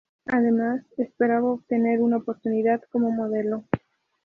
Además, esperaba obtener una oportunidad como modelo.